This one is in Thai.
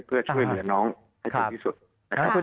เพื่อช่วยเหลือน้องให้ถึงที่สุดนะครับ